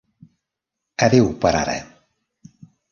Adéu per ara!